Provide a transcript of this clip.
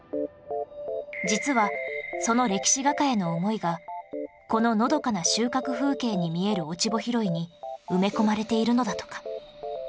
実はその歴史画家への思いがこののどかな収穫風景に見える『落ち穂拾い』に埋め込まれているのだとか